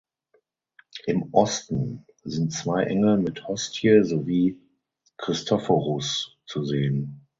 Im Osten sind zwei Engel mit Hostie sowie Christophorus zu sehen.